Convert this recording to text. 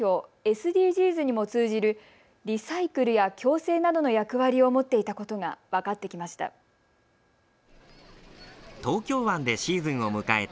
・ＳＤＧｓにも通じるリサイクルや共生などの役割を持っていたことが分かってきました。